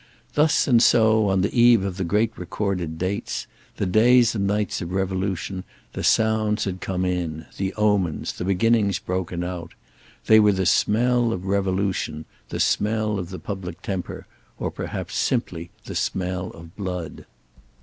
Thus and so, on the eve of the great recorded dates, the days and nights of revolution, the sounds had come in, the omens, the beginnings broken out. They were the smell of revolution, the smell of the public temper—or perhaps simply the smell of blood.